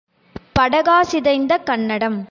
படகா சிதைந்த கன்னடம்.